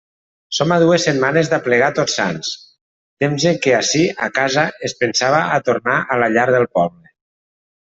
Som a dues setmanes d'aplegar a Tots Sants, temps en què ací a casa es pensava a tornar a la llar del poble.